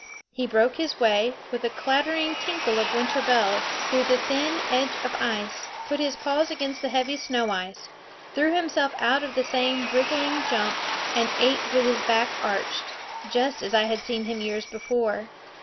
He broke his way, with a clattering tinkle of winter bells, through the thin edge of ice, put his paws against the heavy snow ice, threw himself out with the same wriggling jump, and ate with his back arched just as I had seen him years before.